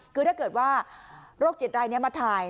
คือถ้าเกิดว่าโรคจิตรายนี้มาถ่าย